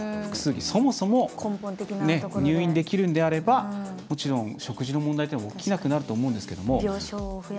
そもそも、入院できるのであればもちろん、食事の問題というのは起きなくなると思うんですけど。